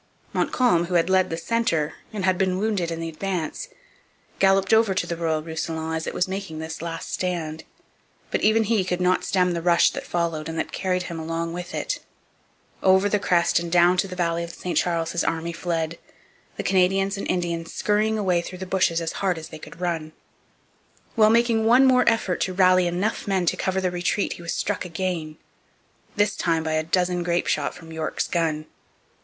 Montcalm, who had led the centre and had been wounded in the advance, galloped over to the Royal Roussillon as it was making this last stand. But even he could not stem the rush that followed and that carried him along with it. Over the crest and down to the valley of the St Charles his army fled, the Canadians and Indians scurrying away through the bushes as hard as they could run. While making one more effort to rally enough men to cover the retreat he was struck again, this time by a dozen grape shot from York's gun.